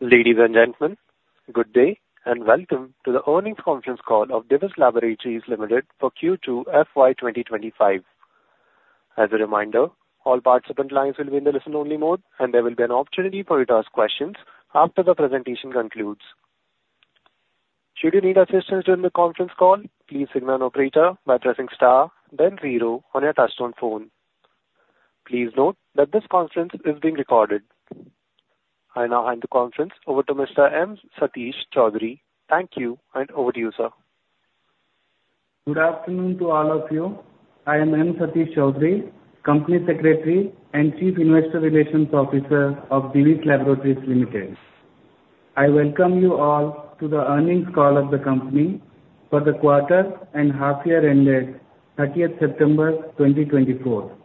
Ladies and gentlemen, good day and welcome to the Earnings Conference Call of Divi's Laboratories Ltd. for Q2 FY 2025. As a reminder, all participant lines will be in the listen-only mode, and there will be an opportunity for you to ask questions after the presentation concludes. Should you need assistance during the conference call, please signal an operator by pressing star, then zero on your touch-tone phone. Please note that this conference is being recorded. I now hand the conference over to Mr. M. Satish Choudhury. Thank you, and over to you, sir. Good afternoon to all of you. I am M. Satish Choudhury, Company Secretary and Chief Investor Relations Officer of Divi's Laboratories Ltd. I welcome you all to the earnings call of the company for the quarter and half-year ended 30th September 2024.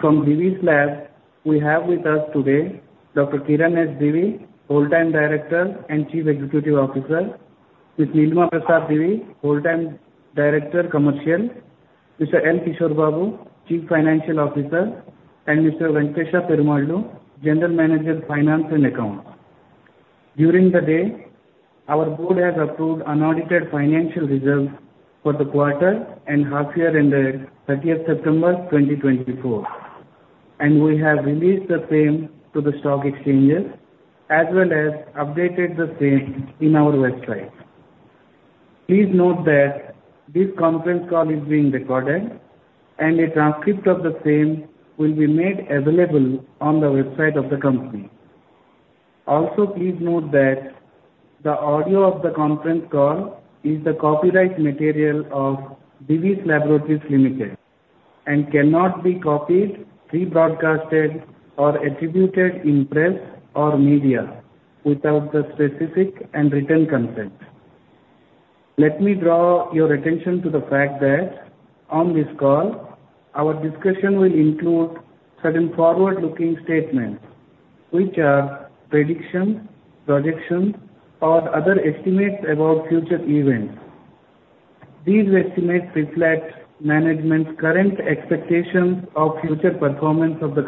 From Divi's Labs, we have with us today Dr. Kiran S. Divi, Whole-Time Director and Chief Executive Officer, Ms. Nilima Prasad Divi, Whole-Time Director (Commercial), Mr. L. Kishore Babu, Chief Financial Officer, and Mr. Venkatesh Perumallu, General Manager, Finance and Accounts. During the day, our board has approved unaudited financial results for the quarter and half-year ended 30th September 2024, and we have released the same to the stock exchanges as well as updated the same in our website. Please note that this conference call is being recorded, and a transcript of the same will be made available on the website of the company. Also, please note that the audio of the conference call is the copyright material of Divi's Laboratories Ltd. and cannot be copied, rebroadcast, or attributed in press or media without the specific and written consent. Let me draw your attention to the fact that on this call, our discussion will include certain forward-looking statements, which are predictions, projections, or other estimates about future events. These estimates reflect management's current expectations of future performance of the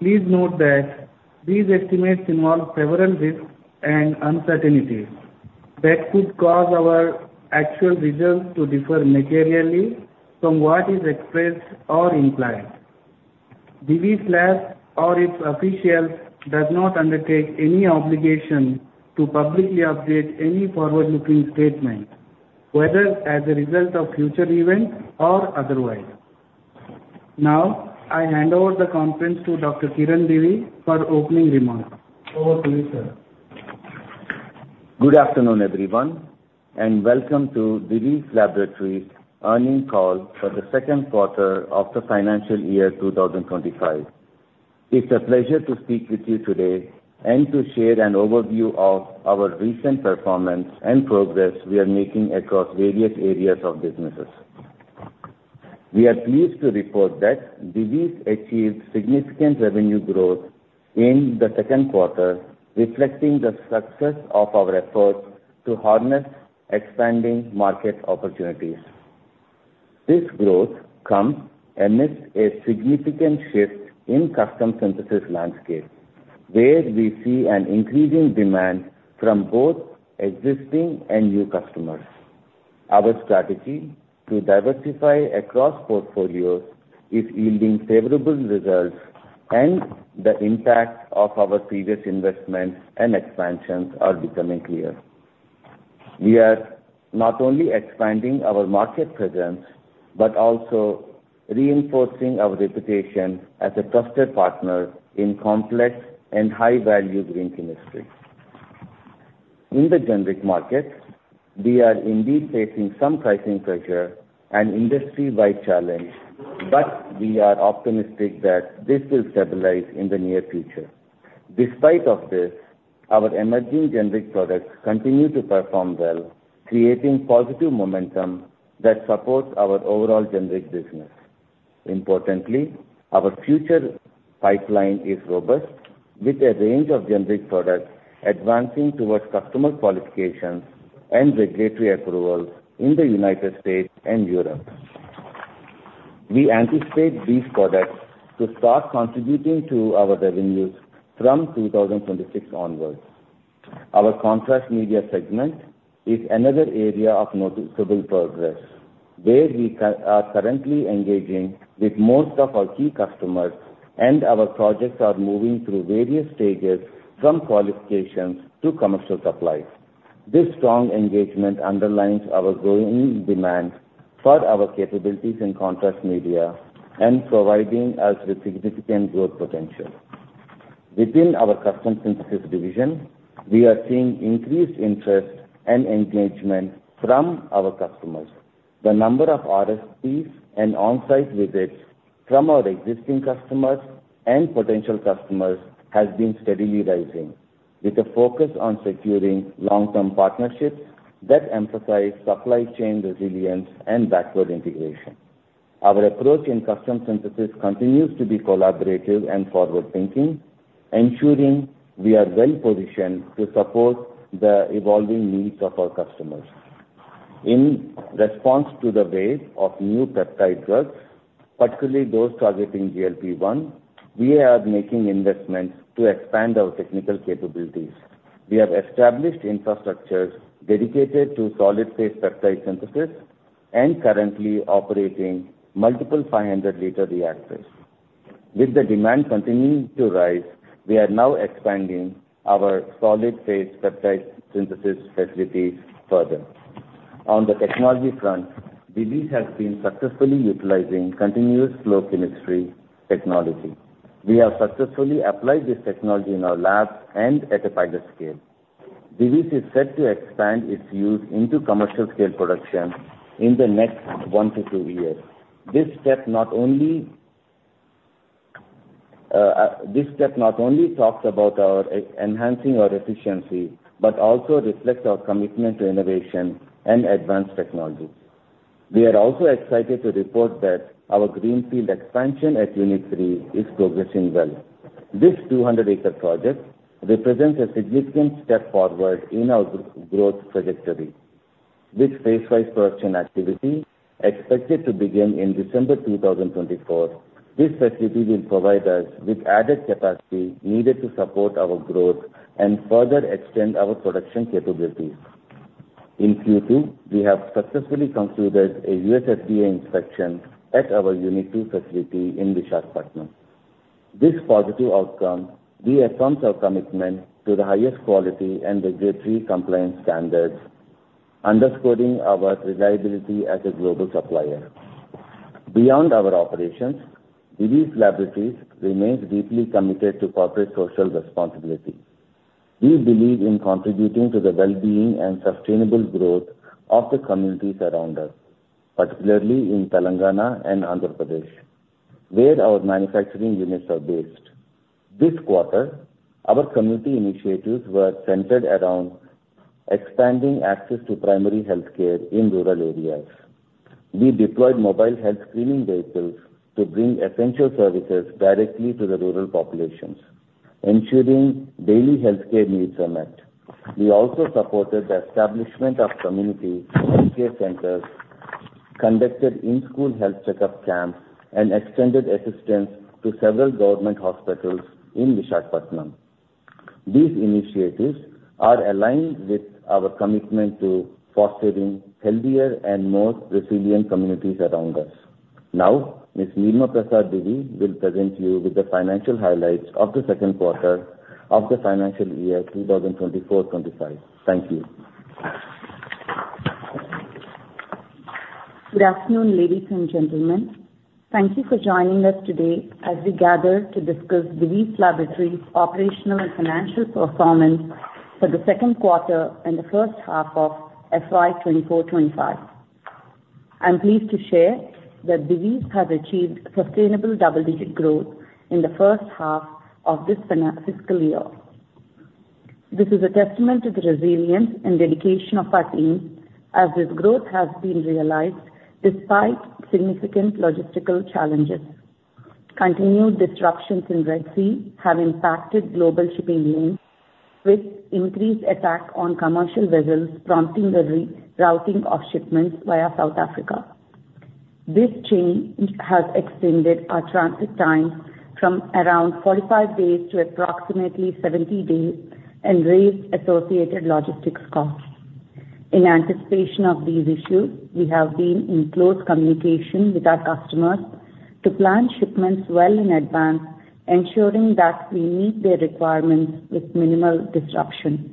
company. Please note that these estimates involve several risks and uncertainties that could cause our actual results to differ materially from what is expressed or implied. Divi's Labs, or its officials, does not undertake any obligation to publicly update any forward-looking statement, whether as a result of future events or otherwise. Now, I hand over the conference to Dr. Kiran Divi for opening remarks. Over to you, sir. Good afternoon, everyone, and welcome to Divi's Laboratories' earnings call for the second quarter of the financial year 2025. It's a pleasure to speak with you today and to share an overview of our recent performance and progress we are making across various areas of businesses. We are pleased to report that Divi's achieved significant revenue growth in the second quarter, reflecting the success of our efforts to harness expanding market opportunities. This growth comes amidst a significant shift in custom synthesis landscape, where we see an increasing demand from both existing and new customers. Our strategy to diversify across portfolios is yielding favorable results, and the impact of our previous investments and expansions is becoming clear. We are not only expanding our market presence but also reinforcing our reputation as a trusted partner in complex and high-value green chemistry. In the generic market, we are indeed facing some pricing pressure and industry-wide challenges, but we are optimistic that this will stabilize in the near future. Despite this, our emerging generic products continue to perform well, creating positive momentum that supports our overall generic business. Importantly, our future pipeline is robust, with a range of generic products advancing towards customer qualifications and regulatory approvals in the United States and Europe. We anticipate these products to start contributing to our revenues from 2026 onwards. Our contrast media segment is another area of noticeable progress, where we are currently engaging with most of our key customers, and our projects are moving through various stages from qualifications to commercial supplies. This strong engagement underlines our growing demand for our capabilities in contrast media and providing us with significant growth potential. Within our custom synthesis division, we are seeing increased interest and engagement from our customers. The number of RFPs and on-site visits from our existing customers and potential customers has been steadily rising, with a focus on securing long-term partnerships that emphasize supply chain resilience and backward integration. Our approach in custom synthesis continues to be collaborative and forward-thinking, ensuring we are well-positioned to support the evolving needs of our customers. In response to the wave of new peptide drugs, particularly those targeting GLP-1, we are making investments to expand our technical capabilities. We have established infrastructures dedicated to solid-phase peptide synthesis and currently operating multiple 500-liter reactors. With the demand continuing to rise, we are now expanding our solid-phase peptide synthesis facilities further. On the technology front, Divi's has been successfully utilizing continuous flow chemistry technology. We have successfully applied this technology in our labs and at a pilot scale. Divi's is set to expand its use into commercial-scale production in the next one to two years. This step not only talks about enhancing our efficiency but also reflects our commitment to innovation and advanced technologies. We are also excited to report that our greenfield expansion at Unit 3 is progressing well. This 200-acre project represents a significant step forward in our growth trajectory. With phase-wise production activity expected to begin in December 2024, this facility will provide us with added capacity needed to support our growth and further extend our production capabilities. In Q2, we have successfully concluded a USFDA inspection at our Unit 2 facility in Visakhapatnam. This positive outcome reaffirms our commitment to the highest quality and regulatory compliance standards, underscoring our reliability as a global supplier. Beyond our operations, Divi's Laboratories remains deeply committed to corporate social responsibility. We believe in contributing to the well-being and sustainable growth of the communities around us, particularly in Telangana and Andhra Pradesh, where our manufacturing units are based. This quarter, our community initiatives were centered around expanding access to primary healthcare in rural areas. We deployed mobile health screening vehicles to bring essential services directly to the rural populations, ensuring daily healthcare needs are met. We also supported the establishment of community healthcare centers, conducted in-school health checkup camps, and extended assistance to several government hospitals in Visakhapatnam. These initiatives are aligned with our commitment to fostering healthier and more resilient communities around us. Now, Ms. Nilima Prasad Divi will present you with the financial highlights of the second quarter of the financial year 2024-2025. Thank you. Good afternoon, ladies and gentlemen. Thank you for joining us today as we gather to discuss Divi's Laboratories' operational and financial performance for the second quarter and the H1 of FY 2024-2025. I'm pleased to share that Divi's has achieved sustainable double-digit growth in the H1 of this fiscal year. This is a testament to the resilience and dedication of our team as this growth has been realized despite significant logistical challenges. Continued disruptions in Red Sea have impacted global shipping lanes, with increased attack on commercial vessels prompting the routing of shipments via South Africa. This change has extended our transit times from around 45 days to approximately 70 days and raised associated logistics costs. In anticipation of these issues, we have been in close communication with our customers to plan shipments well in advance, ensuring that we meet their requirements with minimal disruption.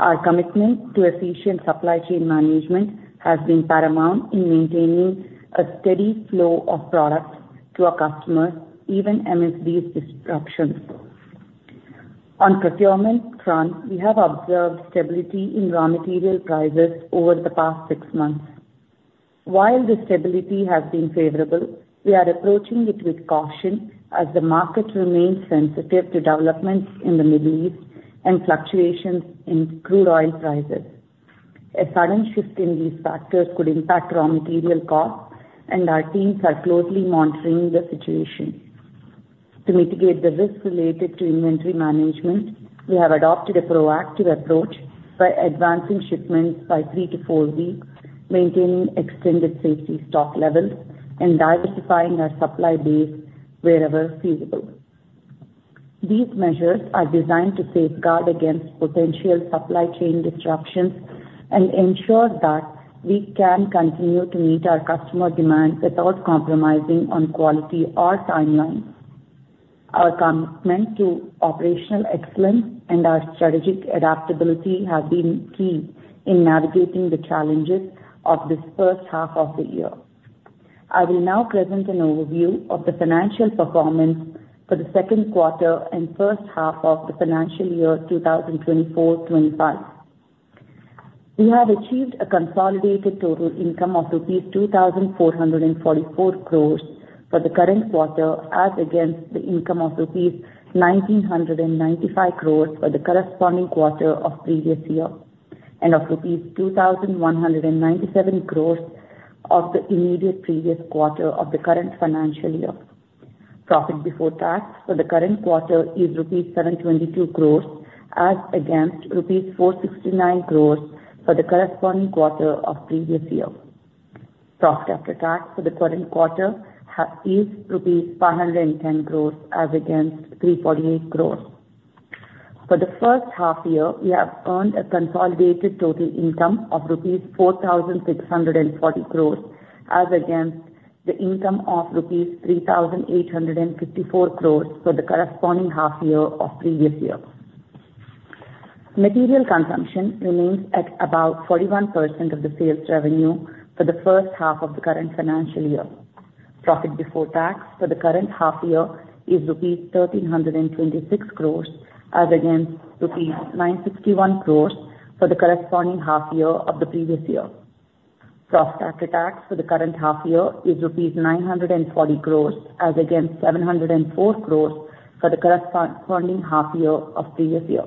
Our commitment to efficient supply chain management has been paramount in maintaining a steady flow of products to our customers, even amidst these disruptions. On procurement front, we have observed stability in raw material prices over the past six months. While the stability has been favorable, we are approaching it with caution as the market remains sensitive to developments in the Middle East and fluctuations in crude oil prices. A sudden shift in these factors could impact raw material costs, and our teams are closely monitoring the situation. To mitigate the risks related to inventory management, we have adopted a proactive approach by advancing shipments by three to four weeks, maintaining extended safety stock levels, and diversifying our supply base wherever feasible. These measures are designed to safeguard against potential supply chain disruptions and ensure that we can continue to meet our customer demands without compromising on quality or timelines. Our commitment to operational excellence and our strategic adaptability have been key in navigating the challenges of this H1 of the year. I will now present an overview of the financial performance for the second quarter and H1 of the financial year 2024-2025. We have achieved a consolidated total income of INR 2,444 crores for the current quarter as against the income of INR 1,995 crores for the corresponding quarter of previous year and of INR 2,197 crores of the immediate previous quarter of the current financial year. Profit before tax for the current quarter is rupees 722 crores as against rupees 469 crores for the corresponding quarter of previous year. Profit after tax for the current quarter is rupees 510 crores as against 348 crores. For the H1 year, we have earned a consolidated total income of 4,640 crores rupees as against the income of 3,854 crores rupees for the corresponding half year of previous year. Material consumption remains at about 41% of the sales revenue for the H1 of the current financial year. Profit before tax for the current half year is rupees 1,326 crores as against rupees 961 crores for the corresponding half year of the previous year. Profit after tax for the current half year is rupees 940 crores as against 704 crores for the corresponding half year of previous year.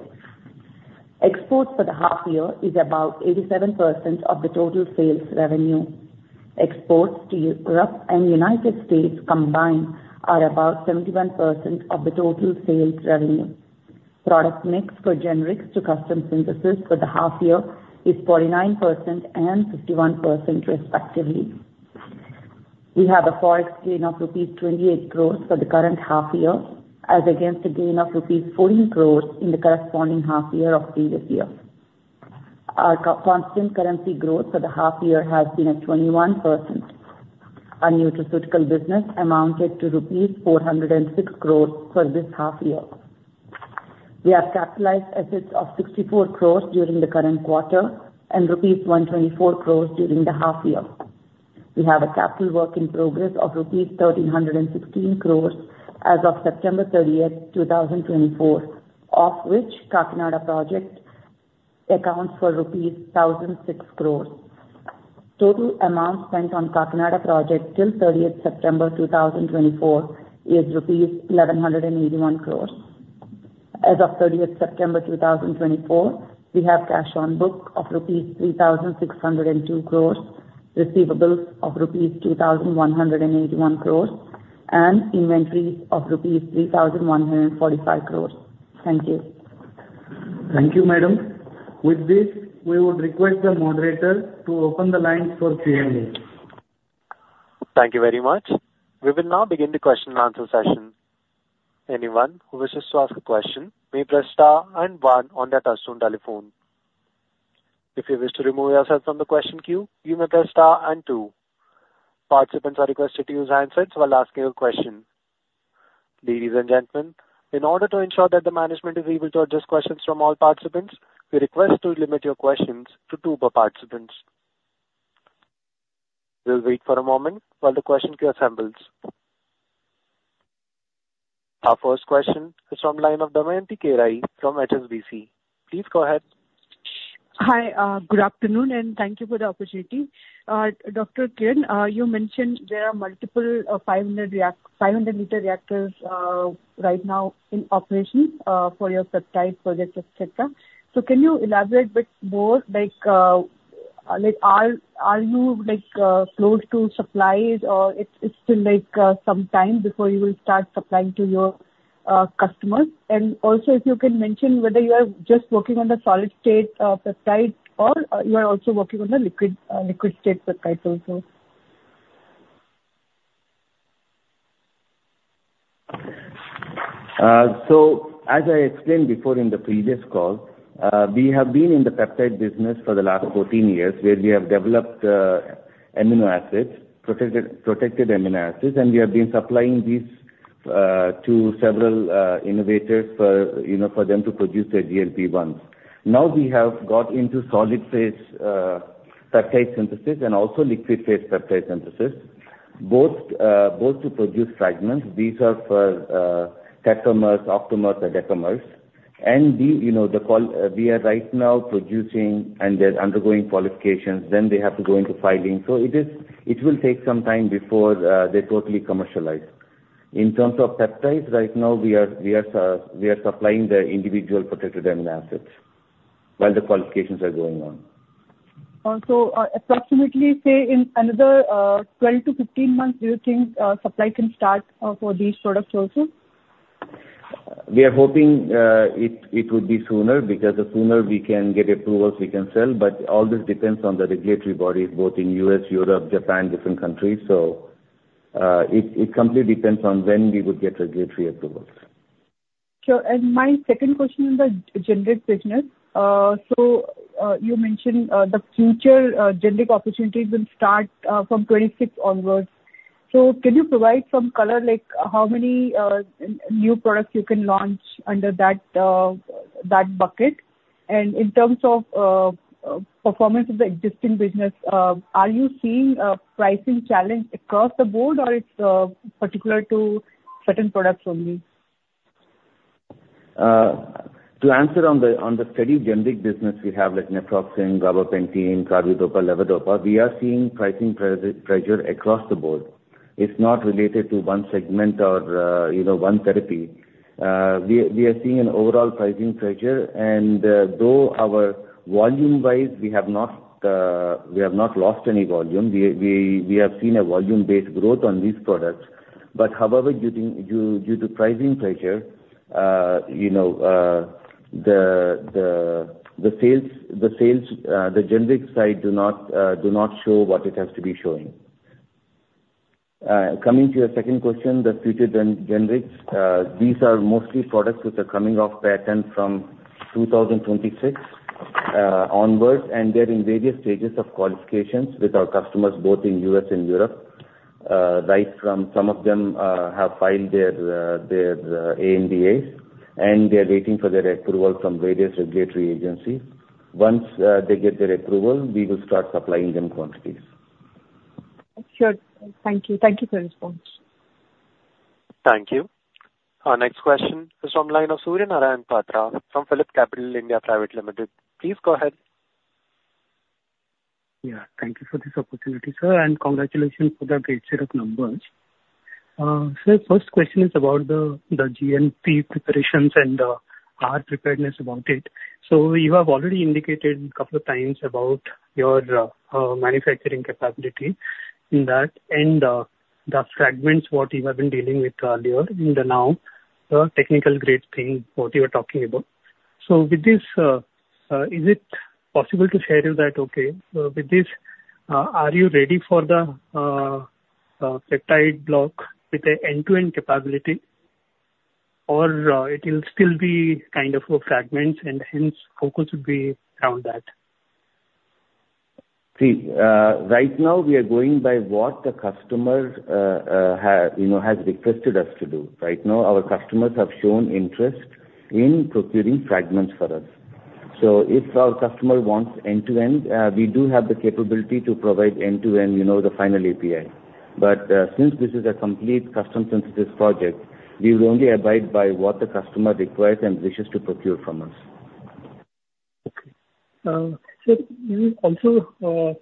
Exports for the half year is about 87% of the total sales revenue. Exports to Europe and United States combined are about 71% of the total sales revenue. Product mix for generics to custom synthesis for the half year is 49% and 51%, respectively. We have a forex gain of INR. 28 crores for the current half year as against a gain of rupees 14 crores in the corresponding half year of previous year. Our constant currency growth for the half year has been at 21%. Our nutraceutical business amounted to rupees 406 crores for this half year. We have capitalized assets of 64 crores during the current quarter and rupees 124 crores during the half year. We have a capital work in progress of rupees 1,316 crores as of September 30, 2024, of which Kakinada Project accounts for rupees 1,006 crores. Total amount spent on Kakinada Project till 30 September 2024 is rupees 1,181 crores. As of 30 September 2024, we have cash on book of rupees 3,602 crores, receivables of rupees 2,181 crores, and inventories of rupees 3,145 crores. Thank you. Thank you, Madam. With this, we would request the moderator to open the lines for Q&A. Thank you very much. We will now begin the question-and-answer session. Anyone who wishes to ask a question may press star and one on their touchscreen telephone. If you wish to remove yourself from the question queue, you may press star and two. Participants are requested to use handsets while asking a question. Ladies and gentlemen, in order to ensure that the management is able to address questions from all participants, we request to limit your questions to two per participants. We'll wait for a moment while the question queue assembles. Our first question is from line of Damayanti Kerai from HSBC. Please go ahead. Hi, good afternoon, and thank you for the opportunity. Dr. Kiran, you mentioned there are multiple 500-liter reactors right now in operation for your peptide project, etc. So can you elaborate a bit more? Are you close to supplies, or it's still some time before you will start supplying to your customers? And also, if you can mention whether you are just working on the solid-state peptides or you are also working on the liquid-state peptides also. As I explained before in the previous call, we have been in the peptide business for the last 14 years, where we have developed amino acids, protected amino acids, and we have been supplying these to several innovators for them to produce their GLP-1s. Now we have got into solid-phase peptide synthesis and also liquid-phase peptide synthesis, both to produce fragments. These are for tetramers, octamers, and decamers. And we are right now producing, and they're undergoing qualifications. Then they have to go into filing. So it will take some time before they totally commercialize. In terms of peptides, right now we are supplying the individual protected amino acids while the qualifications are going on. Approximately, say, in another 12-15 months, do you think supply can start for these products also? We are hoping it would be sooner because the sooner we can get approvals, we can sell. But all this depends on the regulatory bodies, both in the U.S., Europe, Japan, different countries. So it completely depends on when we would get regulatory approvals. Sure. And my second question on the generic business. So you mentioned the future generic opportunities will start from 2026 onwards. So can you provide some color like how many new products you can launch under that bucket? And in terms of performance of the existing business, are you seeing a pricing challenge across the board, or it's particular to certain products only? To answer on the steady generic business we have, like naproxen, gabapentin, carbidopa, levodopa, we are seeing pricing pressure across the board. It's not related to one segment or one therapy. We are seeing an overall pricing pressure. Though volume-wise, we have not lost any volume. We have seen a volume-based growth on these products. But however, due to pricing pressure, the generic side do not show what it has to be showing. Coming to your second question, the future generics, these are mostly products which are coming off patent from 2026 onwards, and they're in various stages of qualifications with our customers, both in the U.S. and Europe. Some of them have filed their ANDAs, and they're waiting for their approval from various regulatory agencies. Once they get their approval, we will start supplying them quantities. Sure. Thank you. Thank you for your response. Thank you. Our next question is from Surya Narayan Patra from PhillipCapital India Pvt Ltd. Please go ahead. Yeah. Thank you for this opportunity, sir, and congratulations for the great set of numbers. So the first question is about the GMP preparations and our preparedness about it. So you have already indicated a couple of times about your manufacturing capability in that and the fragments what you have been dealing with earlier in the now technical grade thing what you were talking about. So with this, is it possible to share with you that, okay, with this, are you ready for the peptide block with the end-to-end capability, or it will still be kind of fragments and hence focus would be around that? See, right now we are going by what the customer has requested us to do. Right now, our customers have shown interest in procuring fragments for us. So if our customer wants end-to-end, we do have the capability to provide end-to-end, the final API. But since this is a complete custom synthesis project, we will only abide by what the customer requires and wishes to procure from us. Okay. So also,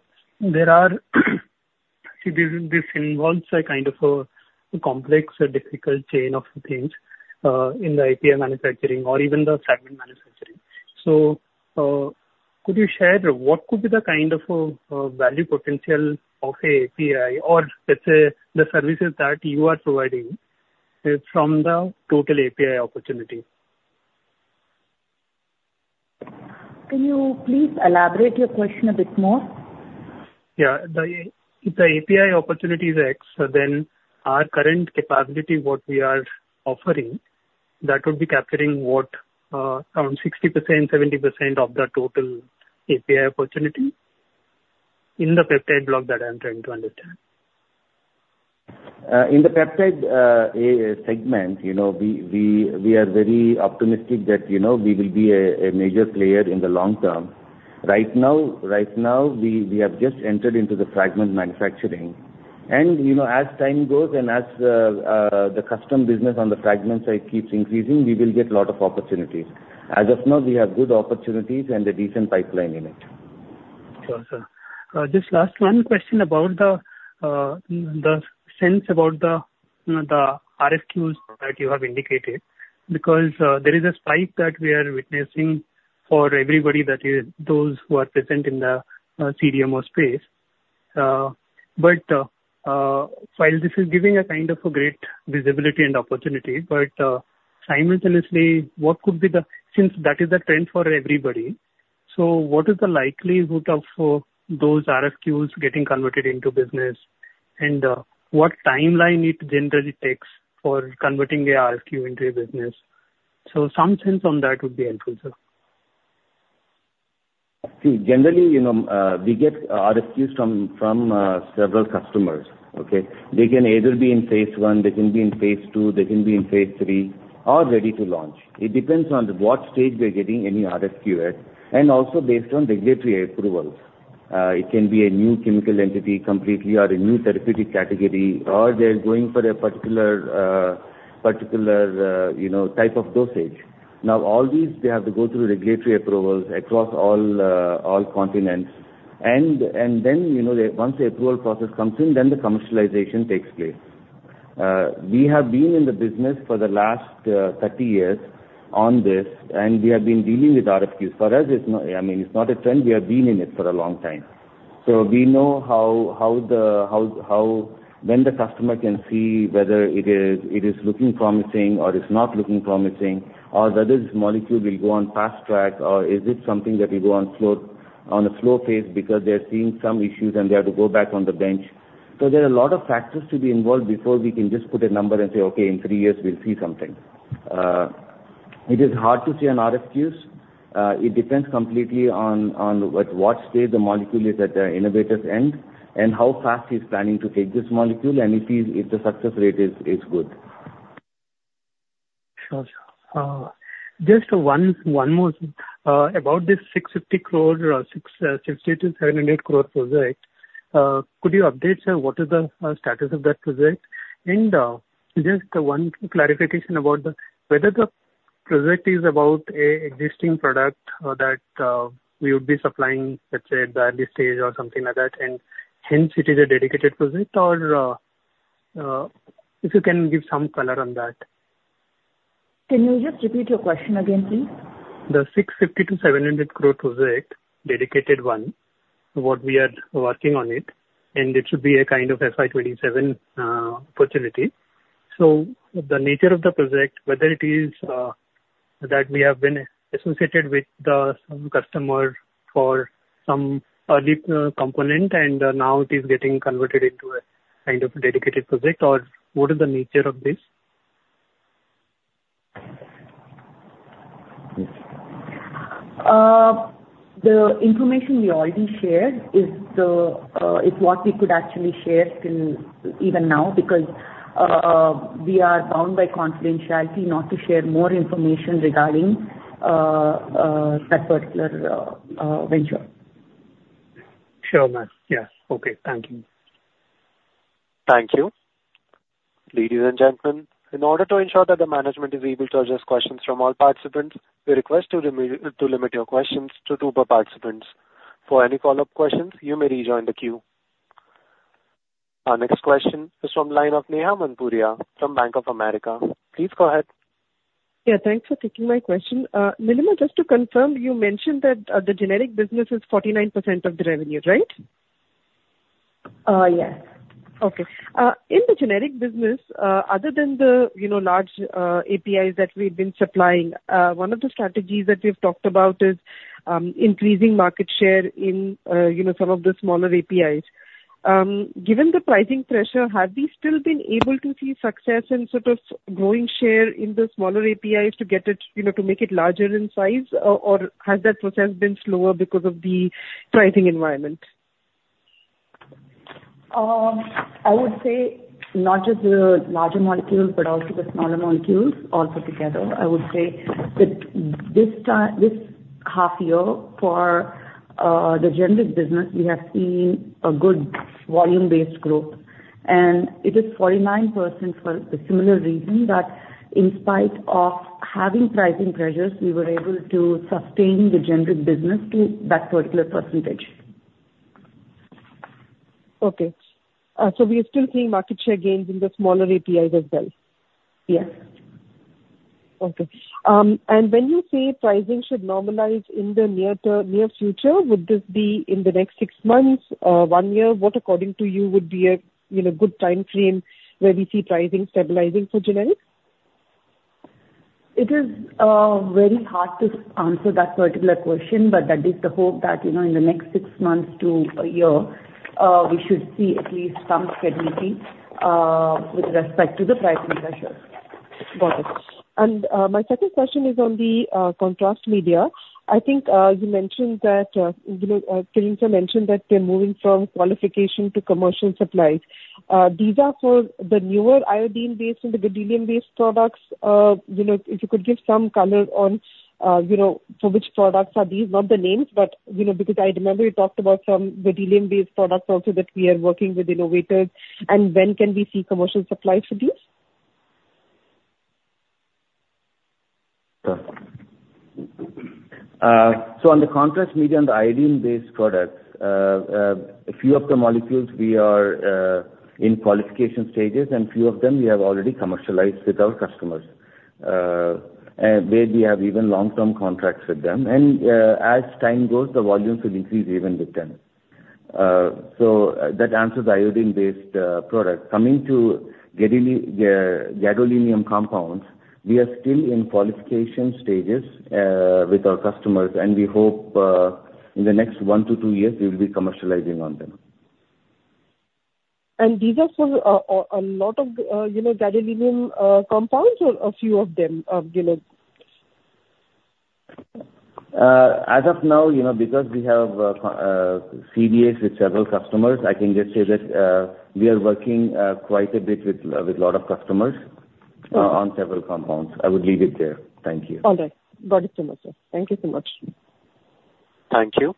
this involves a kind of a complex and difficult chain of things in the API manufacturing or even the fragment manufacturing. So could you share what could be the kind of value potential of API or, let's say, the services that you are providing from the total API opportunity? Can you please elaborate your question a bit more? Yeah. If the API opportunity is X, then our current capability, what we are offering, that would be capturing around 60%-70% of the total API opportunity in the peptide block that I'm trying to understand. In the peptide segment, we are very optimistic that we will be a major player in the long term. Right now, we have just entered into the fragment manufacturing. And as time goes and as the custom business on the fragment side keeps increasing, we will get a lot of opportunities. As of now, we have good opportunities and a decent pipeline in it. Sure, sir. Just last one question about the sense about the RFQs that you have indicated because there is a spike that we are witnessing for everybody that is those who are present in the CDMO space. But while this is giving a kind of a great visibility and opportunity, but simultaneously, what could be the sense that is the trend for everybody, so what is the likelihood of those RFQs getting converted into business and what timeline it generally takes for converting the RFQ into a business? So some sense on that would be helpful, sir. See, generally, we get RFQs from several customers, okay? They can either be in phase I, they can be in phase II, they can be in phase III, or ready to launch. It depends on what stage they're getting any RFQ at and also based on regulatory approvals. It can be a new chemical entity completely or a new therapeutic category, or they're going for a particular type of dosage. Now, all these, they have to go through regulatory approvals across all continents, and then once the approval process comes in, then the commercialization takes place. We have been in the business for the last 30 years on this, and we have been dealing with RFQs. For us, I mean, it's not a trend. We have been in it for a long time. So we know when the customer can see whether it is looking promising or it's not looking promising, or whether this molecule will go on fast track, or is it something that will go on a slow phase because they're seeing some issues and they have to go back on the bench. So there are a lot of factors to be involved before we can just put a number and say, "Okay, in three years, we'll see something." It is hard to see on RFQs. It depends completely on what stage the molecule is at the innovator's end and how fast he's planning to take this molecule and if the success rate is good. Sure. Just one more about this 650 crore or 650-700 crore project. Could you update, sir, what is the status of that project? And just one clarification about whether the project is about an existing product that we would be supplying, let's say, at the early stage or something like that, and hence it is a dedicated project, or if you can give some color on that. Can you just repeat your question again, please? The 650-700 crore project, dedicated one, what we are working on it, and it should be a kind of FY27 opportunity. So the nature of the project, whether it is that we have been associated with some customer for some early component and now it is getting converted into a kind of dedicated project, or what is the nature of this? The information we already shared is what we could actually share even now because we are bound by confidentiality not to share more information regarding that particular venture. Sure. Yes. Okay. Thank you. Thank you. Ladies and gentlemen, in order to ensure that the management is able to address questions from all participants, we request to limit your questions to two per participant. For any follow-up questions, you may rejoin the queue. Our next question is from Neha Manpuria from Bank of America. Please go ahead. Yeah. Thanks for taking my question. Nilima, just to confirm, you mentioned that the generic business is 49% of the revenue, right? Yes. Okay. In the generic business, other than the large APIs that we've been supplying, one of the strategies that we've talked about is increasing market share in some of the smaller APIs. Given the pricing pressure, have we still been able to see success in sort of growing share in the smaller APIs to make it larger in size, or has that process been slower because of the pricing environment? I would say not just the larger molecules, but also the smaller molecules all put together. I would say that this half year for the generic business, we have seen a good volume-based growth, and it is 49% for the similar reason that in spite of having pricing pressures, we were able to sustain the generic business to that particular percentage. Okay, so we are still seeing market share gains in the smaller APIs as well? Yes. Okay. And when you say pricing should normalize in the near future, would this be in the next six months, one year? What, according to you, would be a good time frame where we see pricing stabilizing for generic? It is very hard to answer that particular question, but that is the hope that in the next six months to a year, we should see at least some stability with respect to the pricing pressure. Got it, and my second question is on the contrast media. I think you mentioned that Kiran Divi mentioned that they're moving from qualification to commercial supplies. These are for the newer iodine-based and the gadolinium-based products. If you could give some color on for which products are these, not the names, but because I remember you talked about some gadolinium-based products also that we are working with innovators, and when can we see commercial supplies for these? So on the contrast media and the iodine-based products, a few of the molecules we are in qualification stages, and a few of them we have already commercialized with our customers, where we have even long-term contracts with them. And as time goes, the volumes will increase even with them. So that answers iodine-based products. Coming to gadolinium compounds, we are still in qualification stages with our customers, and we hope in the next one to two years, we will be commercializing on them. These are for a lot of gadolinium compounds or a few of them? As of now, because we have CDAs with several customers, I can just say that we are working quite a bit with a lot of customers on several compounds. I would leave it there. Thank you. All right. Got it so much, sir. Thank you so much. Thank you.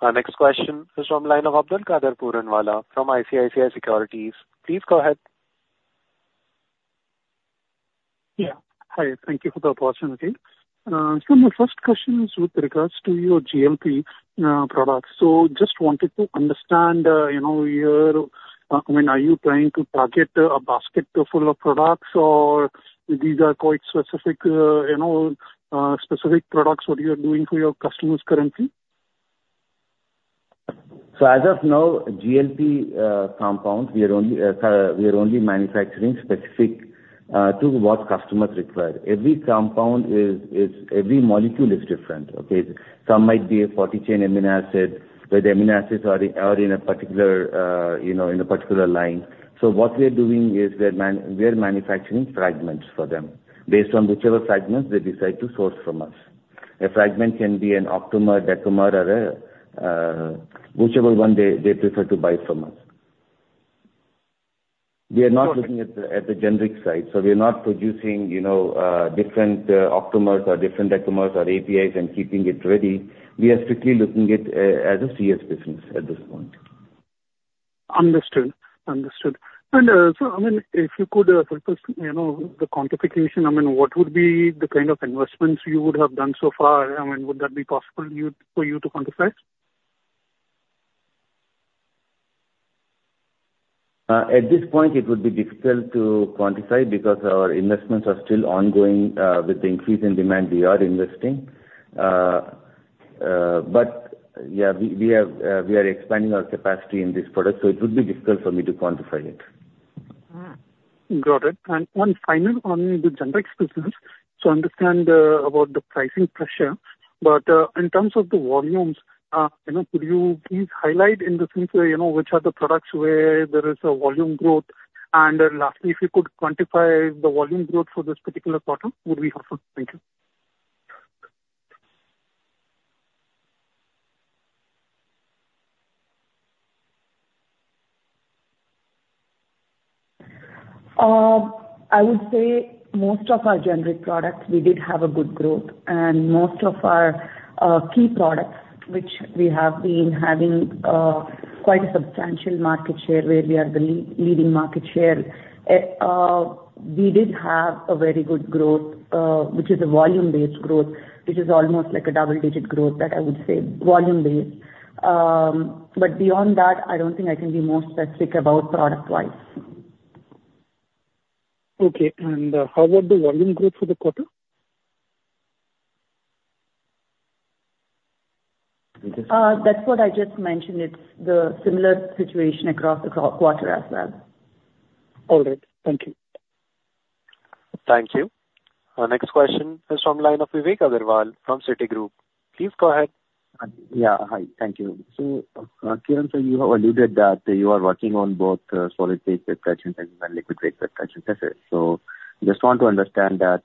Our next question is from Abdulkader Puranwala from ICICI Securities. Please go ahead. Yeah. Hi. Thank you for the opportunity. So my first question is with regards to your GMP products. So just wanted to understand your I mean, are you trying to target a basket full of products, or these are quite specific products what you are doing for your customers currently? So as of now, GLP compounds, we are only manufacturing specific to what customers require. Every compound is every molecule is different, okay? Some might be a 40-chain amino acid with amino acids are in a particular line. So what we are doing is we are manufacturing fragments for them based on whichever fragments they decide to source from us. A fragment can be an octamer, decamer, or whichever one they prefer to buy from us. We are not looking at the generic side. So we are not producing different octamers or different decamers or APIs and keeping it ready. We are strictly looking at it as a CS business at this point. Understood. Understood, and so, I mean, if you could the quantification, I mean, what would be the kind of investments you would have done so far? I mean, would that be possible for you to quantify? At this point, it would be difficult to quantify because our investments are still ongoing, with the increase in demand, we are investing. But yeah, we are expanding our capacity in this product, so it would be difficult for me to quantify it. Got it. And one final on the generic business. So I understand about the pricing pressure, but in terms of the volumes, could you please highlight in the sense which are the products where there is a volume growth? And lastly, if you could quantify the volume growth for this particular product, would be helpful? Thank you. I would say most of our generic products, we did have a good growth, and most of our key products, which we have been having quite a substantial market share where we are the leading market share, we did have a very good growth, which is a volume-based growth, which is almost like a double-digit growth that I would say volume-based, but beyond that, I don't think I can be more specific about product-wise. Okay. And how about the volume growth for the quarter? That's what I just mentioned. It's the similar situation across the quarter as well. All right. Thank you. Thank you. Our next question is from Vivek Agarwal from Citigroup. Please go ahead. Yeah. Hi. Thank you. So Kiran Divi, you have alluded that you are working on both solid phase replacement and liquid phase replacement, is it? So I just want to understand that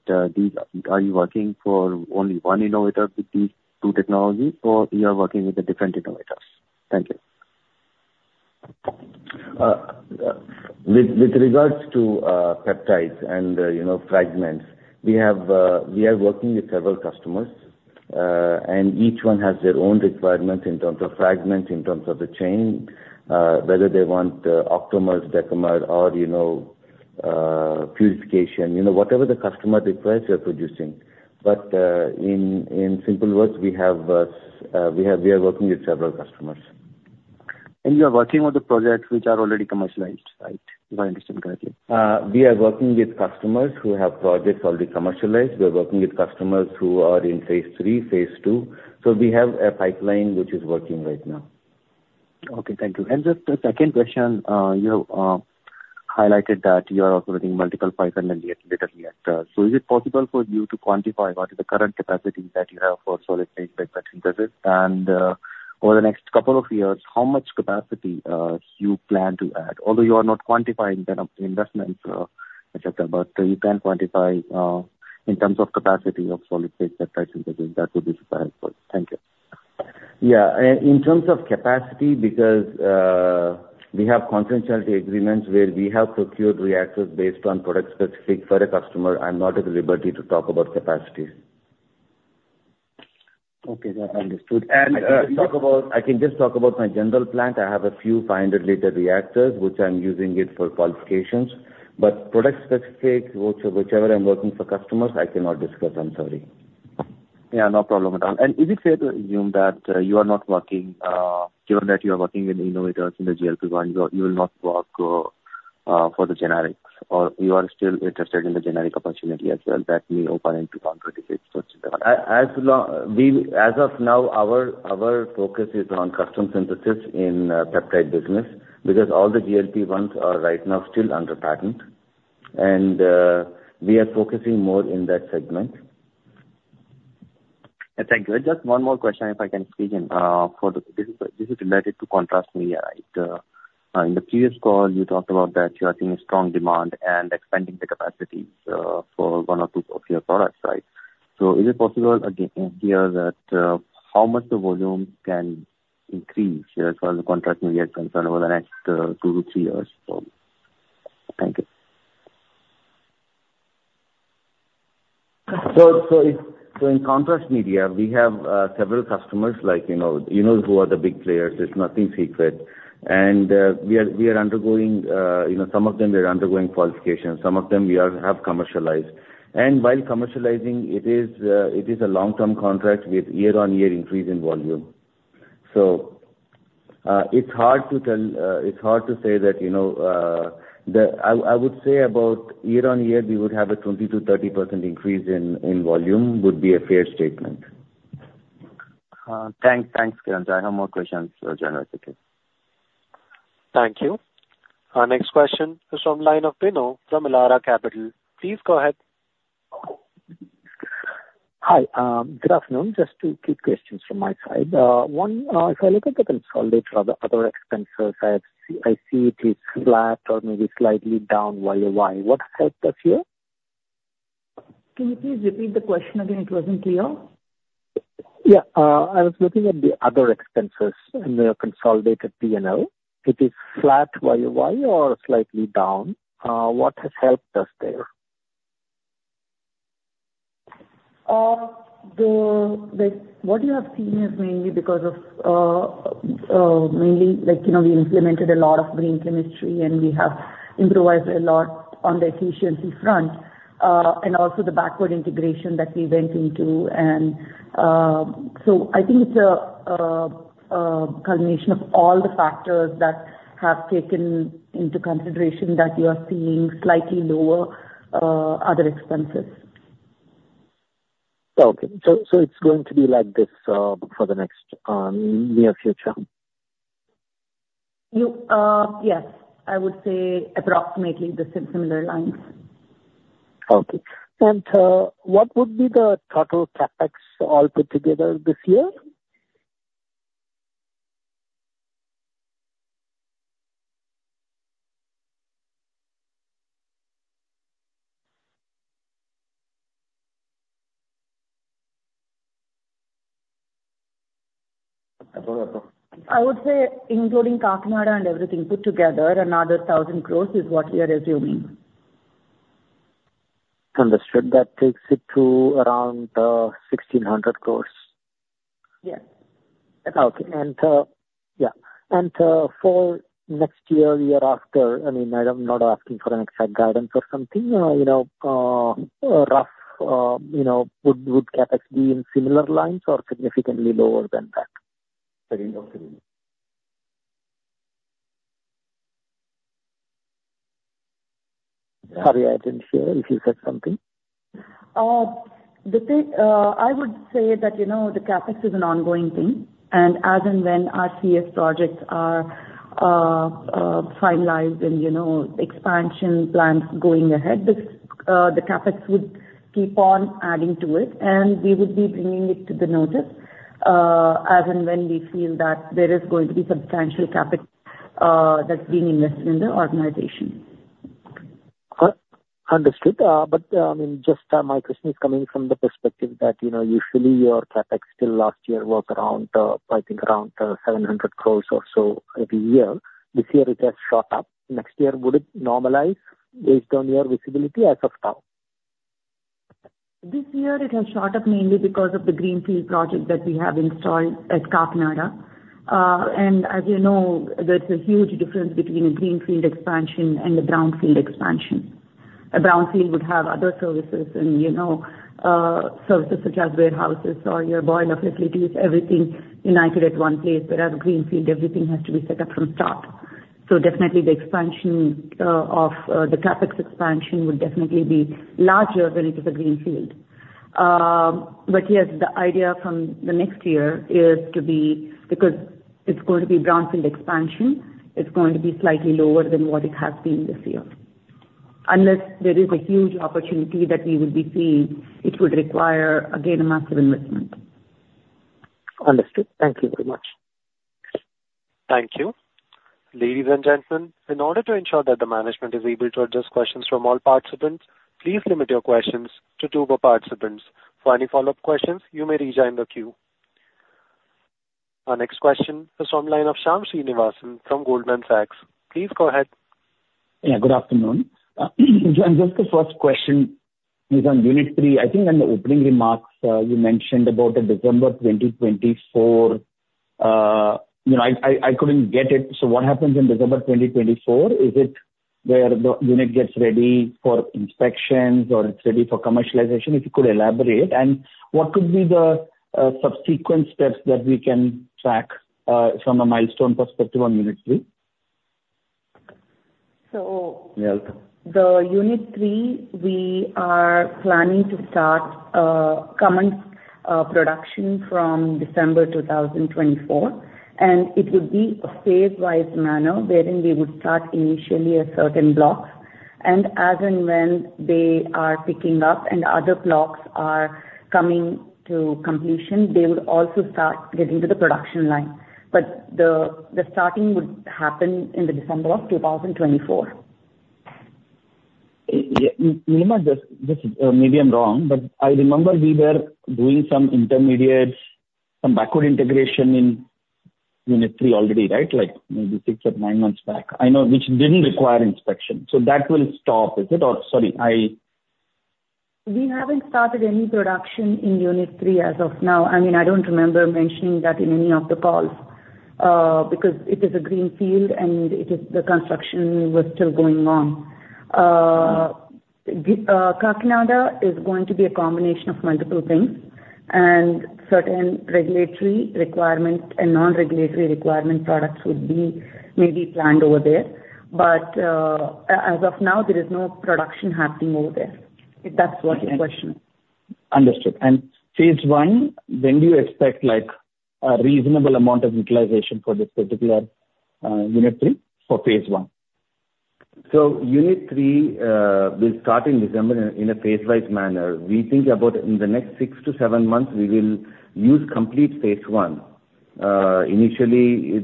are you working for only one innovator with these two technologies, or you are working with the different innovators? Thank you. With regards to peptides and fragments, we are working with several customers, and each one has their own requirements in terms of fragments, in terms of the chain, whether they want octamers, decamers, or purification, whatever the customer requires, we are producing. But in simple words, we are working with several customers. You are working on the projects which are already commercialized, right? If I understand correctly. We are working with customers who have projects already commercialized. We are working with customers who are in phase III, phase II. So we have a pipeline which is working right now. Okay. Thank you. And just a second question. You have highlighted that you are operating multiple pipelines lately. So is it possible for you to quantify what is the current capacity that you have for solid phase peptide synthesis? And over the next couple of years, how much capacity do you plan to add? Although you are not quantifying the investments, etc., but you can quantify in terms of capacity of solid phase peptide synthesis, that would be super helpful. Thank you. Yeah. In terms of capacity, because we have confidentiality agreements where we have procured reactors based on product-specific for a customer, I'm not at liberty to talk about capacity. Okay. I understood. I can just talk about my general plant. I have a few 500-liter reactors which I'm using for qualifications. But product specific, whichever I'm working for customers, I cannot discuss. I'm sorry. Yeah. No problem at all. Is it fair to assume that you are not working given that you are working with innovators in the GLP-1, you will not work for the generics, or you are still interested in the generic opportunity as well that may open into 2026? As of now, our focus is on custom synthesis in peptide business because all the GLP-1s are right now still under patent, and we are focusing more in that segment. Thank you. Just one more question if I can speak in for this is related to contrast media, right? In the previous call, you talked about that you are seeing strong demand and expanding the capacity for one or two of your products, right? So is it possible again here that how much the volume can increase as far as the contrast media is concerned over the next two to three years? Thank you. So, in contrast media, we have several customers like you know who are the big players. It's nothing secret. And for some of them, we are undergoing qualification. Some of them we have commercialized. And while commercializing, it is a long-term contract with year-on-year increase in volume. So it's hard to tell. It's hard to say that. I would say about year-on-year, we would have a 20%-30% increase in volume would be a fair statement. Thanks. Thanks, Kiran. No more questions, sir. Thank you. Our next question is from Bino Pathiparampil from Elara Capital. Please go ahead. Hi. Good afternoon. Just two quick questions from my side. One, if I look at the consolidated other expenses, I see it is flat or maybe slightly down YOY. What helped us here? Can you please repeat the question again? It wasn't clear. Yeah. I was looking at the other expenses in the consolidated P&L. It is flat YOY or slightly down. What has helped us there? What you have seen is mainly because of mainly we implemented a lot of green chemistry, and we have improved a lot on the efficiency front and also the backward integration that we went into, and so I think it's a combination of all the factors that have taken into consideration that you are seeing slightly lower other expenses. Okay, so it's going to be like this for the next near future? Yes. I would say approximately the similar lines. Okay. And what would be the total CapEx all put together this year? I would say including Kakinada and everything put together, another 1,000 crores is what we are assuming. Understood. That takes it to around 1,600 crores. Yes. Okay. And yeah. And for next year, year after, I mean, I'm not asking for an exact guidance or something. Rough, would CapEx be in similar lines or significantly lower than that? [inaudible] Sorry, I didn't hear if you said something. I would say that the CapEx is an ongoing thing, and as and when our CS projects are finalized and expansion plans going ahead, the CapEx would keep on adding to it, and we would be bringing it to the notice as and when we feel that there is going to be substantial CapEx that's being invested in the organization. Understood. But I mean, just my question is coming from the perspective that usually your CapEx till last year was around, I think, around 700 crores or so every year. This year, it has shot up. Next year, would it normalize based on your visibility as of now? This year, it has shot up mainly because of the greenfield project that we have installed at Kakinada. And as you know, there's a huge difference between a greenfield expansion and a brownfield expansion. A brownfield would have other services such as warehouses or your boiler facilities, everything united at one place. But as a greenfield, everything has to be set up from start. So definitely, the expansion of the CapEx expansion would definitely be larger when it is a greenfield. But yes, the idea from the next year is to be because it's going to be brownfield expansion, it's going to be slightly lower than what it has been this year. Unless there is a huge opportunity that we would be seeing, it would require, again, a massive investment. Understood. Thank you very much. Thank you. Ladies and gentlemen, in order to ensure that the management is able to address questions from all participants, please limit your questions to two participants. For any follow-up questions, you may rejoin the queue. Our next question is from Shyam Srinivasan from Goldman Sachs. Please go ahead. Yeah. Good afternoon. Just the first question is on Unit 3. I think in the opening remarks, you mentioned about December 2024. I couldn't get it. So what happens in December 2024? Is it where the unit gets ready for inspections or it's ready for commercialization? If you could elaborate? And what could be the subsequent steps that we can track from a milestone perspective on Unit 3? The Unit 3, we are planning to start commercial production from December 2024. It would be a phase-wise manner wherein we would start initially a certain block. As and when they are picking up and other blocks are coming to completion, they would also start getting to the production line. The starting would happen in December of 2024. Nilima, maybe I'm wrong, but I remember we were doing some intermediate, some backward integration in Unit 3 already, right? Like maybe six or nine months back, which didn't require inspection. So that will stop, is it? Or sorry, I. We haven't started any production in Unit 3 as of now. I mean, I don't remember mentioning that in any of the calls because it is a greenfield and the construction was still going on. Kakinada is going to be a combination of multiple things, and certain regulatory requirements and non-regulatory requirement products would be maybe planned over there. But as of now, there is no production happening over there. If that's what your question is. Understood. And phase I, when do you expect a reasonable amount of utilization for this particular Unit 3 for phase I? Unit 3 will start in December in a phase-wise manner. We think about in the next six to seven months, we will use complete phase I. Initially,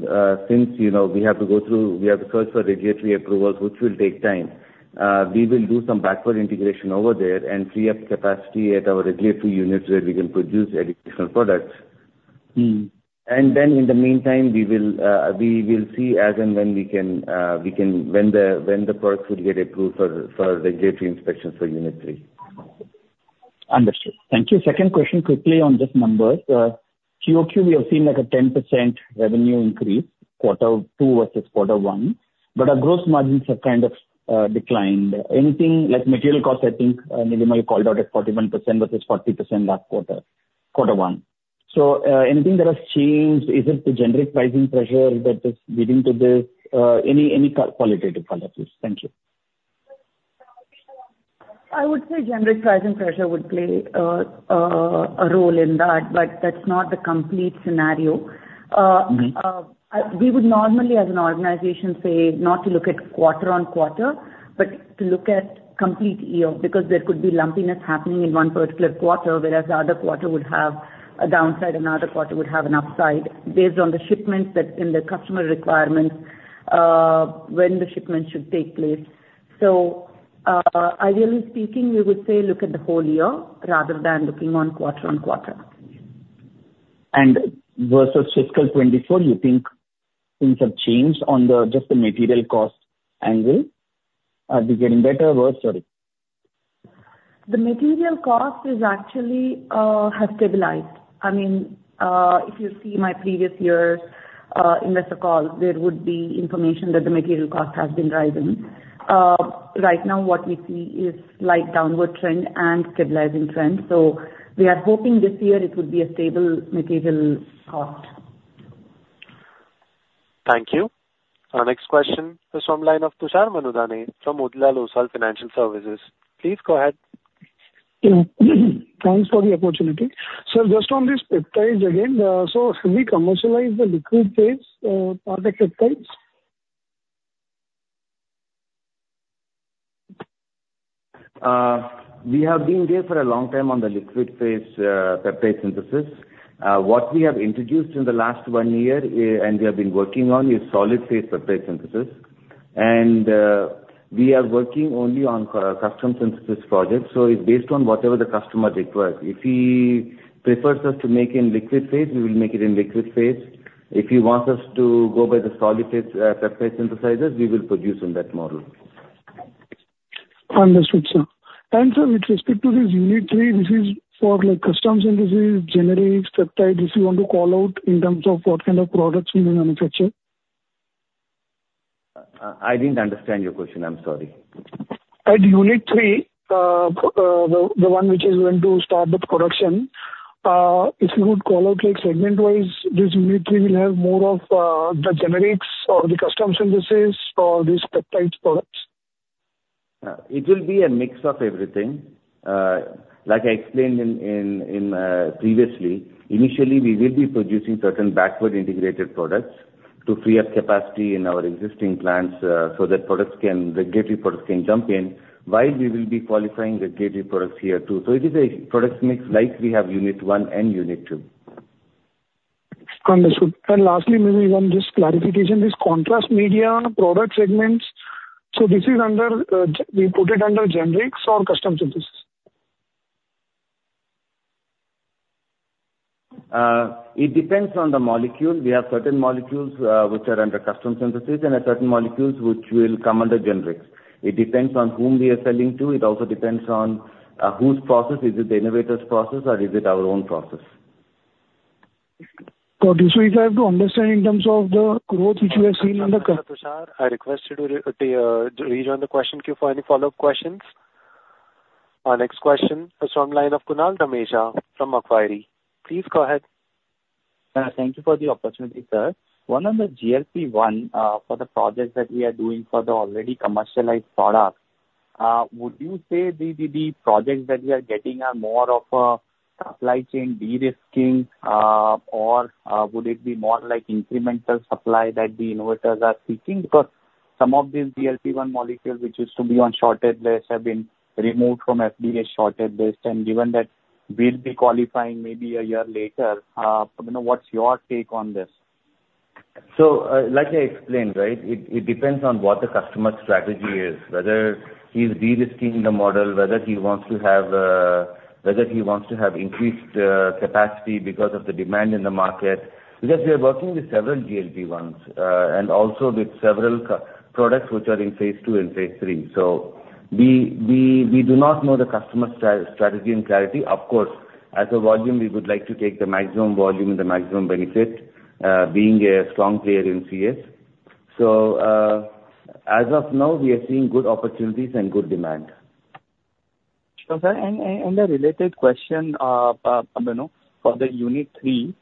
since we have to go through, we have to search for regulatory approvals, which will take time. We will do some backward integration over there and free up capacity at our regulatory units where we can produce additional products. Then in the meantime, we will see as and when we can when the products would get approved for regulatory inspections for Unit 3. Understood. Thank you. Second question quickly on just numbers. QOQ, we have seen a 10% revenue increase, quarter two versus quarter one. But our gross margins have kind of declined. Anything like material costs? I think Nilima you called out at 41% versus 40% last quarter, quarter one. So anything that has changed? Is it the generic pricing pressure that is leading to this? Any qualitative factors? Thank you. I would say generic pricing pressure would play a role in that, but that's not the complete scenario. We would normally, as an organization, say not to look at quarter-on-quarter, but to look at complete year because there could be lumpiness happening in one particular quarter, whereas the other quarter would have a downside and the other quarter would have an upside based on the shipments that in the customer requirements when the shipments should take place. So ideally speaking, we would say look at the whole year rather than looking on quarter-on-quarter. Versus fiscal 2024, you think things have changed on just the material cost angle? Are they getting better or worse? Sorry. The material costs have stabilized. I mean, if you see my previous year's investor call, there would be information that the material cost has been rising. Right now, what we see is a slight downward trend and stabilizing trend. So we are hoping this year it would be a stable material cost. Thank you. Our next question is from Tushar Manudhane from Motilal Oswal Financial Services. Please go ahead. Thanks for the opportunity. So just on these peptides again, so have we commercialized the liquid phase part of peptides? We have been here for a long time on the liquid-phase peptide synthesis. What we have introduced in the last one year and we have been working on is solid-phase peptide synthesis, and we are working only on custom synthesis projects, so it's based on whatever the customer requires. If he prefers us to make it in liquid-phase, we will make it in liquid-phase. If he wants us to go by the solid-phase peptide synthesizers, we will produce in that model. Understood, sir. And so with respect to this Unit 3, this is for custom synthesis, generics, peptides, if you want to call out in terms of what kind of products you will manufacture? I didn't understand your question. I'm sorry. At Unit 3, the one which is going to start the production, if you would call out segment-wise, does Unit 3 have more of the generics or the custom synthesis or these peptides products? It will be a mix of everything. Like I explained previously, initially, we will be producing certain backward integrated products to free up capacity in our existing plants so that regulatory products can jump in while we will be qualifying regulatory products here too. So it is a product mix like we have Unit 1 and Unit 2. Understood. And lastly, maybe one just clarification, this contrast media product segments, so this is under we put it under generics or custom synthesis? It depends on the molecule. We have certain molecules which are under custom synthesis and certain molecules which will come under generics. It depends on whom we are selling to. It also depends on whose process. Is it the innovator's process or is it our own process? Got it. So if I have to understand in terms of the growth which we are seeing in the. Mr. Tushar, I request you to rejoin the question queue for any follow-up questions. Our next question is from Kunal Dhamesha from Macquarie. Please go ahead. Thank you for the opportunity, sir. One of the GLP-1 for the projects that we are doing for the already commercialized products, would you say the projects that we are getting are more of a supply chain derisking, or would it be more like incremental supply that the innovators are seeking? Because some of these GLP-1 molecules which used to be on shortage list have been removed from FDA shortage list. And given that we'll be qualifying maybe a year later, what's your take on this? So like I explained, right, it depends on what the customer's strategy is, whether he's derisking the model, whether he wants to have increased capacity because of the demand in the market. Because we are working with several GLP-1s and also with several products which are in phase II and phase III. So we do not know the customer's strategy and clarity. Of course, as a volume, we would like to take the maximum volume and the maximum benefit being a strong player in CS. So as of now, we are seeing good opportunities and good demand. A related question for the Unit 3.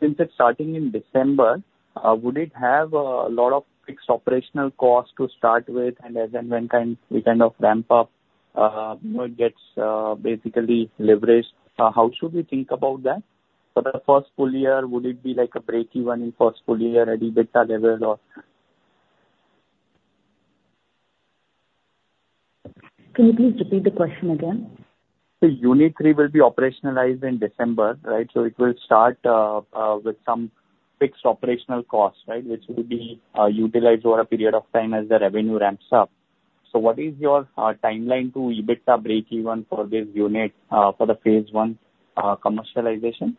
Since it's starting in December, would it have a lot of fixed operational cost to start with? And as and when can we kind of ramp up when it gets basically leveraged? How should we think about that? For the first full year, would it be like a break-even in first full year at EBITDA level or? Can you please repeat the question again? So Unit 3 will be operationalized in December, right? So it will start with some fixed operational cost, right, which will be utilized over a period of time as the revenue ramps up. So what is your timeline to EBITDA break-even for this unit for the phase I commercialization?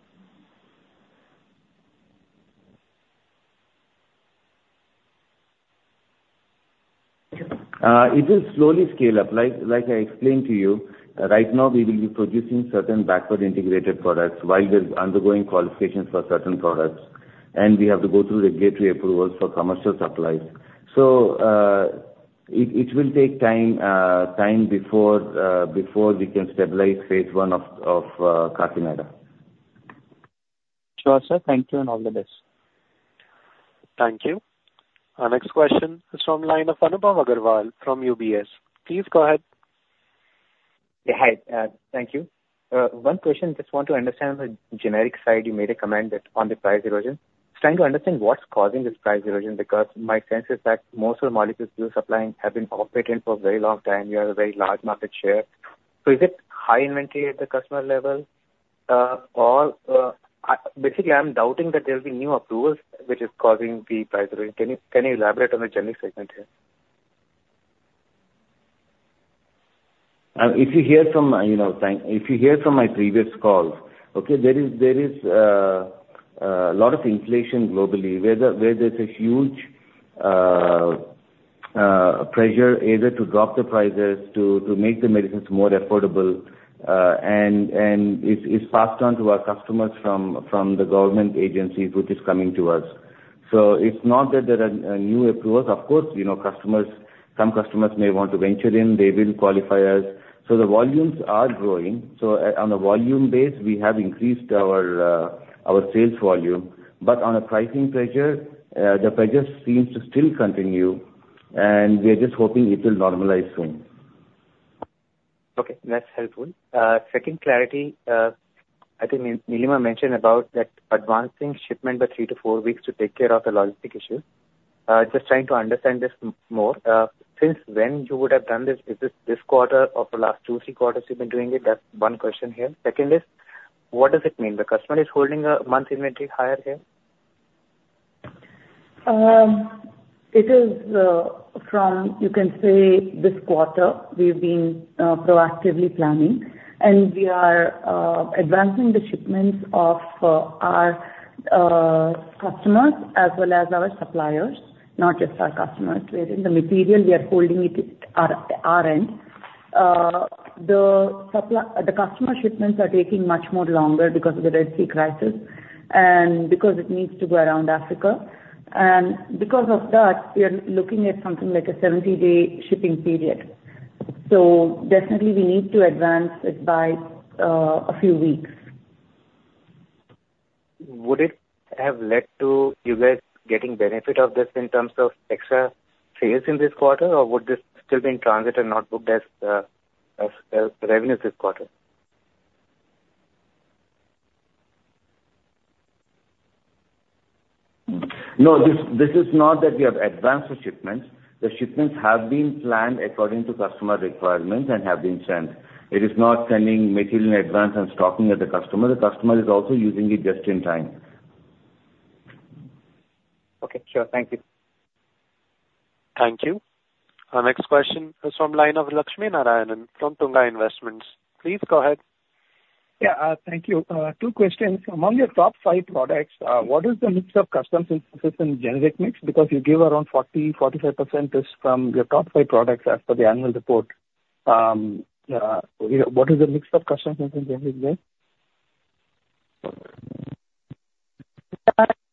It will slowly scale up. Like I explained to you, right now, we will be producing certain backward integrated products while we're undergoing qualifications for certain products, and we have to go through regulatory approvals for commercial supplies, so it will take time before we can stabilize phase I of Kakinada. Sure, sir. Thank you and all the best. Thank you. Our next question is from line one, Anupam Agrawal from UBS. Please go ahead. Yeah. Hi. Thank you. One question. Just want to understand the generic side. You made a comment on the price erosion. It's trying to understand what's causing this price erosion because my sense is that most of the molecules you're supplying have been off-brand for a very long time. You have a very large market share. So is it high inventory at the customer level? Or basically, I'm doubting that there will be new approvals which is causing the price erosion. Can you elaborate on the generic segment here? If you hear from my previous calls, okay, there is a lot of inflation globally where there's a huge pressure either to drop the prices to make the medicines more affordable and is passed on to our customers from the government agencies which is coming to us. So it's not that there are new approvals. Of course, some customers may want to venture in. They will qualify us. So the volumes are growing. So on a volume base, we have increased our sales volume. But on a pricing pressure, the pressure seems to still continue. And we are just hoping it will normalize soon. Okay. That's helpful. Second clarity, I think Nilima mentioned about that advancing shipment by three to four weeks to take care of the logistic issue. Just trying to understand this more. Since when you would have done this? Is this this quarter or for the last two, three quarters you've been doing it? That's one question here. Second is, what does it mean? The customer is holding a month's inventory higher here? It is from, you can say, this quarter. We've been proactively planning, and we are advancing the shipments of our customers as well as our suppliers, not just our customers. The material, we are holding it at our end. The customer shipments are taking much more longer because of the Red Sea crisis and because it needs to go around Africa, and because of that, we are looking at something like a 70-day shipping period, so definitely, we need to advance it by a few weeks. Would it have led to you guys getting benefit of this in terms of extra sales in this quarter, or would this still be in transit and not booked as revenues this quarter? No, this is not that we have advanced the shipments. The shipments have been planned according to customer requirements and have been sent. It is not sending material in advance and stocking at the customer. The customer is also using it just in time. Okay. Sure. Thank you. Our next question is from Lakshmi Narayanan from Tunga Investments. Please go ahead. Yeah. Thank you. Two questions. Among your top five products, what is the mix of custom synthesis and generic mix? Because you gave around 40%-45% just from your top five products as per the annual report. What is the mix of custom synthesis and generic mix? In the GLP-1 portfolio, we would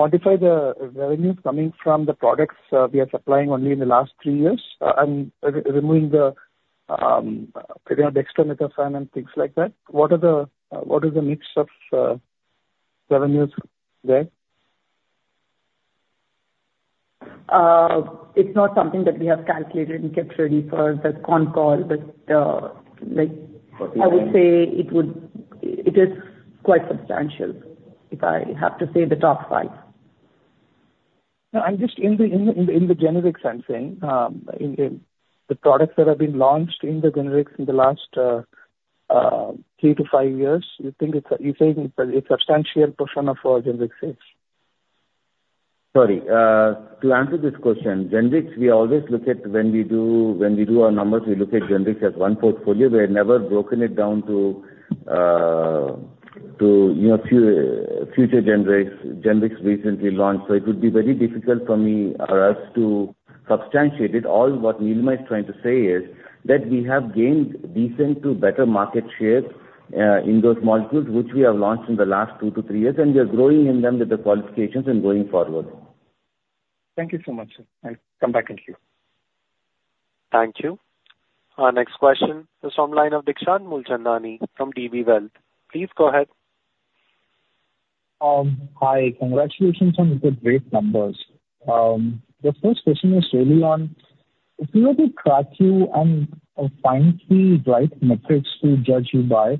supplying not generic but generic firms. Right now, we are concentrating on custom synthesis products on GLP-1s. There are huge opportunities for us. Also, a lot of molecules are in phase III, and then we are looking at various other new opportunities. We are not using the custom synthesis products as much as generic peptide API at this point. Just one last question. Can you just quantify the revenues coming from the products we are supplying only in the last three years and removing the dextromethorphan and things like that? What is the mix of revenues there? It's not something that we have calculated and kept ready for the con call, but I would say it is quite substantial if I have to say the top five. I'm just in the generics segment. The products that have been launched in the generics in the last three to five years, you're saying it's a substantial portion of generic sales? Sorry. To answer this question, generics, we always look at when we do our numbers, we look at generics as one portfolio. We have never broken it down to future generics recently launched. So it would be very difficult for us to substantiate it. All what Nilima is trying to say is that we have gained decent to better market share in those molecules which we have launched in the last two to three years, and we are growing in them with the qualifications and going forward. Thank you so much, sir, and come back and queue. Thank you. Our next question is from Deekshant Boolchandani from DB Wealth. Please go ahead. Hi. Congratulations on the great numbers. The first question is really on if we were to track you and find three right metrics to judge you by,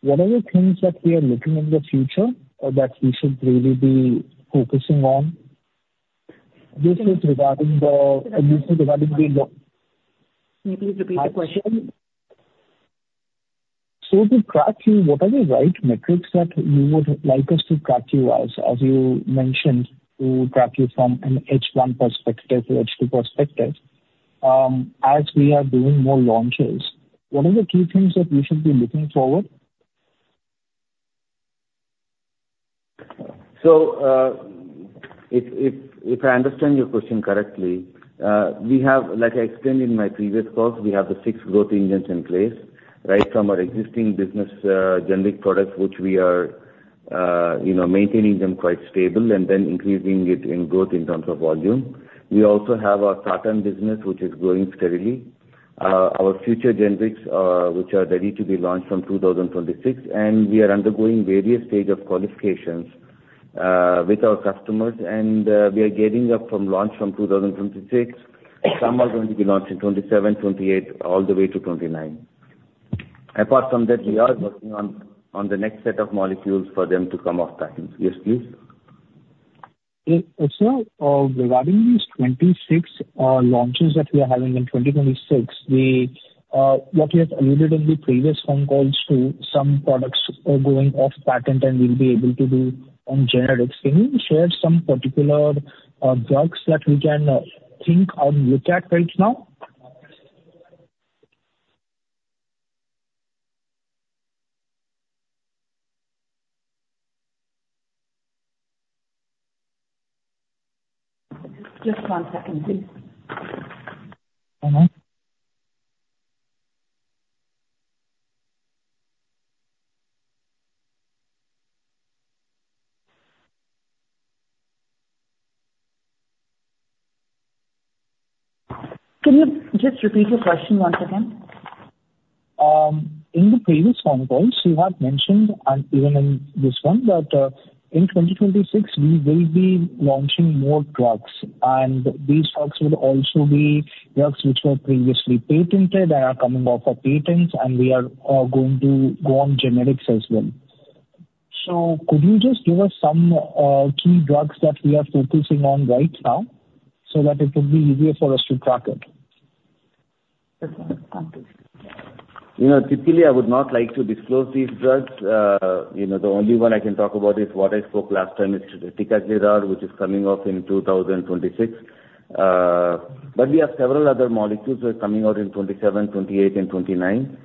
what are the things that we are looking at in the future that we should really be focusing on? This is regarding the. Can you please repeat the question? To track you, what are the right metrics that you would like us to track you as? As you mentioned, to track you from an H1 perspective or H2 perspective. As we are doing more launches, what are the key things that we should be looking forward? So if I understand your question correctly, like I explained in my previous calls, we have the six growth engines in place, right, from our existing business generic products which we are maintaining them quite stable and then increasing it in growth in terms of volume. We also have our sartans business which is growing steadily. Our future generics which are ready to be launched from 2026. We are undergoing various stages of qualifications with our customers. We are gearing up for launch from 2026. Some are going to be launched in 2027, 2028, all the way to 2029. Apart from that, we are working on the next set of molecules for them to come off patent. Yes, please. So, regarding these 26 launches that we are having in 2026, what you have alluded in the previous phone calls to some products are going off patent and we'll be able to do on generics. Can you share some particular drugs that we can think or look at right now? Just one second, please. Can you just repeat your question once again? In the previous phone calls, you have mentioned, and even in this one, that in 2026, we will be launching more drugs. And these drugs will also be drugs which were previously patented and are coming off of patents, and we are going to go on generics as well. So could you just give us some key drugs that we are focusing on right now so that it would be easier for us to track it? Good point. Thank you. Typically, I would not like to disclose these drugs. The only one I can talk about is what I spoke last time, which is ticagrelor, which is coming off in 2026. But we have several other molecules that are coming out in 2027, 2028, and 2029.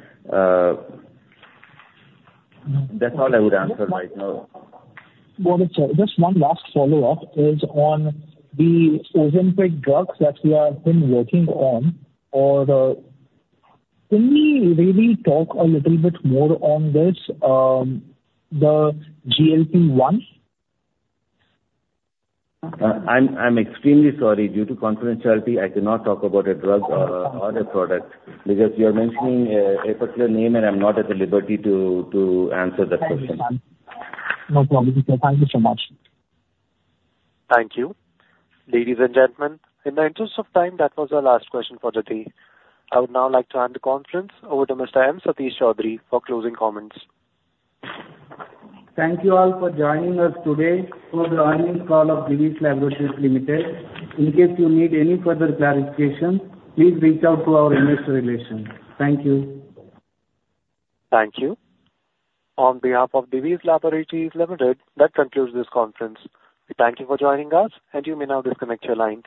That's all I would answer right now. Just one last follow-up is on the Ozempic drugs that we have been working on. Can you really talk a little bit more on this, the GLP-1? I'm extremely sorry. Due to confidentiality, I cannot talk about a drug or a product because you're mentioning a particular name, and I'm not at the liberty to answer that question. No problem. Thank you so much. Thank you. Ladies and gentlemen, in the interest of time, that was our last question for the day. I would now like to hand the conference over to Mr. M. Satish Choudhury for closing comments. Thank you all for joining us today for the earnings call of Divi's Laboratories Ltd. In case you need any further clarification, please reach out to our investor relations. Thank you. Thank you. On behalf of Divi's Laboratories Ltd., that concludes this conference. We thank you for joining us, and you may now disconnect your lines.